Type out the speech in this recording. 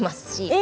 え？